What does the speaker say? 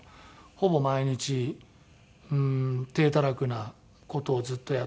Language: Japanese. ほぼ毎日体たらくな事をずっとやってて。